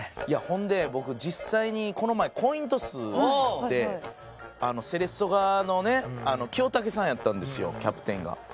いやほんで僕実際にこの前コイントスでセレッソ側のね清武さんやったんですよキャプテンが。